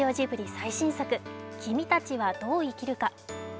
最新作「君たちはどう生きるか」。